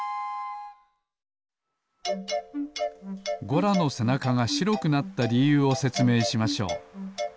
ゴラのせなかがしろくなったりゆうをせつめいしましょう。